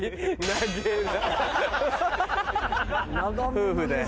夫婦で。